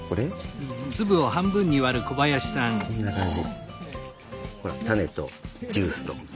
こんな感じ。